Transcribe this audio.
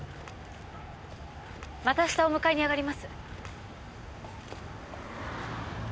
また明日お迎えにあがります。